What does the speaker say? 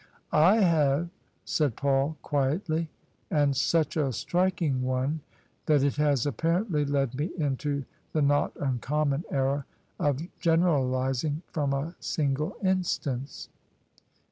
"I have," said Paul quietly: "and such a striking one that it has apparently led me into the not uncommon error of generalising from a single instance!